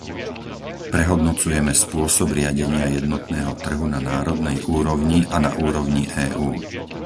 Prehodnocujeme spôsob riadenia jednotného trhu na národnej úrovni a na úrovni EÚ.